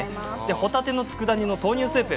ほたてのつくだ煮の豆乳スープ